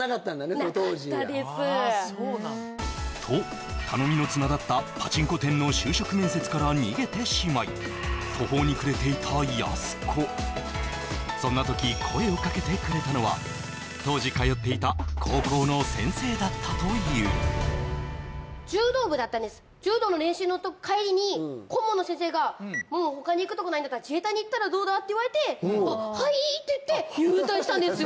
そうなんと頼みの綱だったパチンコ店の就職面接から逃げてしまい途方に暮れていたやす子そんな時声をかけてくれたのは当時通っていた高校の先生だったというんです柔道の練習の帰りに顧問の先生がどうだって言われてはい！って言って入隊したんですよ